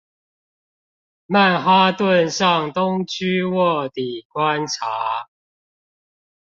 曼哈頓上東區臥底觀察